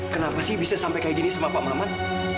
kenapa sih bisa sampai kayak gini sama pak muhammad